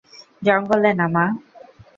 জঙ্গলে না, মা।